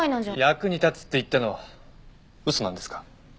役に立つって言ったの嘘なんですか？